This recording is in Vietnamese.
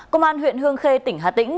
công an huyện hương khê tỉnh hà tĩnh